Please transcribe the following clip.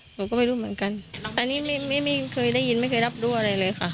หนูก็ไม่รู้เหมือนกันอันนี้ไม่เคยได้ยินไม่เคยรับรู้อะไรเลยค่ะ